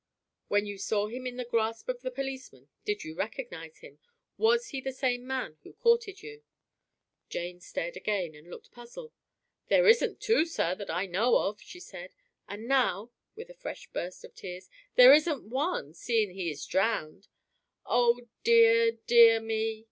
"When you saw him in the grasp of the policeman did you recognize him? Was he the same man who courted you?" Jane stared again and looked puzzled. "There isn't two, sir, that I know of," she said; "and now," with a fresh burst of tears, "there isn't one, seeing he is drowned. Oh dear, dear me.